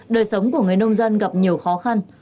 đời sống của người nông dân gặp nhiều khó khăn